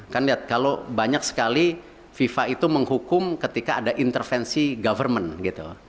kalau banyak sekali fifa itu menghukum ketika ada intervensi government